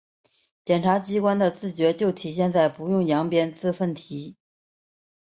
检察机关的自觉就体现在‘不用扬鞭自奋蹄’